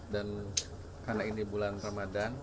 dan karena ini bulan ramadhan